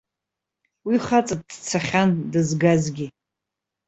Уи хаҵа дцахьан, дызгазгьы.